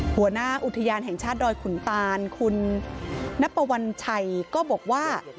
หัวหน้าอุทยานแห่งชาติดอยขุนตานคุณนับปวัญชัยก็บอกว่า